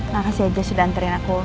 makasih aja sudah anterin aku